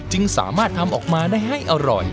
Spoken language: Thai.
สามารถทำออกมาได้ให้อร่อย